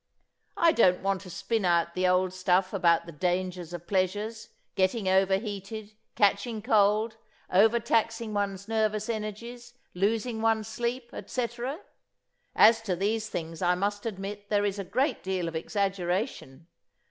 I don't want to spin out the old stuff about the dangers of pleasures, getting over heated, catching cold, overtaxing one's nervous energies, losing one's sleep, etc. As to these things, I must admit, there is a great deal of exaggeration.